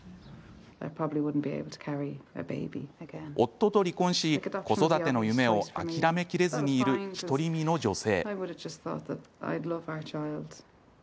夫と離婚し、子育ての夢を諦めきれずにいる独り身の女性。